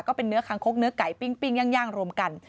ก็เป็นเนื้อคางคกเนื้อไก่ปิ้งย่างรวมกัน